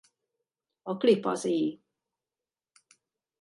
A klip az E!